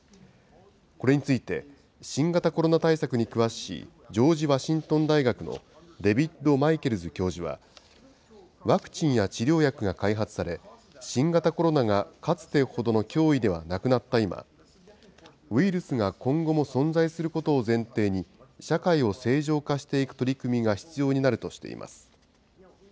これについて新型コロナ対策に詳しいジョージ・ワシントン大学のデビッド・マイケルズ教授は、ワクチンや治療薬が開発され、新型コロナがかつてほどの脅威ではなくなった今、ウイルスが今後も存在することを前提に、社会を正常化していく取り組みが必要になるとしています。